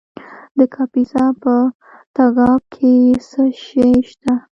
د کاپیسا په تګاب کې څه شی شته؟